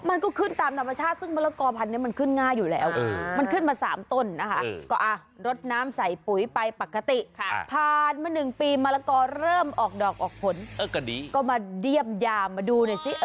มันก็ขึ้นตามธรรมชาติซึ่งมะละกอฮอร์พันธุ์อย่าง